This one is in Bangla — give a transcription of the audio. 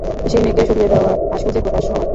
সেই মেঘকেও সরিয়ে দেওয়া আর সূর্যেরও প্রকাশ হওয়া।